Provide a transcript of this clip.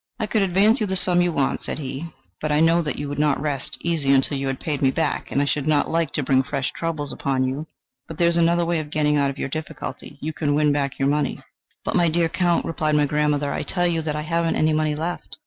"'I could advance you the sum you want,' said he; 'but I know that you would not rest easy until you had paid me back, and I should not like to bring fresh troubles upon you. But there is another way of getting out of your difficulty: you can win back your money.' "'But, my dear Count,' replied my grandmother, 'I tell you that I haven't any money left.'